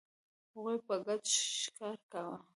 هغوی په ګډه ښکار کاوه.